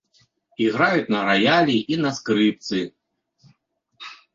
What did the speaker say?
Іграюць на раялі і на скрыпцы.